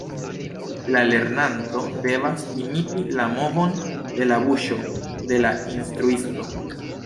La lernanto devas imiti la movon de la buŝo de la instruisto.